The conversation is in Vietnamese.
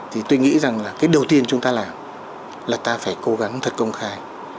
thì tôi nghĩ rằng là cái đầu tiên chúng ta làm là ta phải cố gắng thật công khai